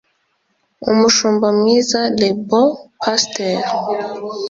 Umushumba mwiza le bon pasteur